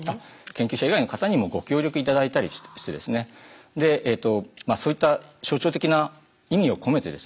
研究者以外の方にもご協力頂いたりしてですねそういった象徴的な意味を込めてですね